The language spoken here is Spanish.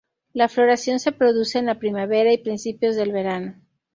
La floración se produce en la primavera y principios del verano.